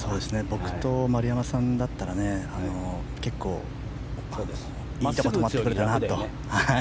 僕と丸山さんだったら真っすぐ止まってくれたなと。